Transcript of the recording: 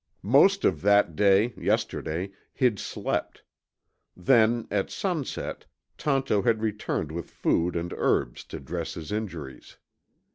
Most of that day, yesterday, he'd slept. Then, at sunset, Tonto had returned with food and herbs to dress his injuries.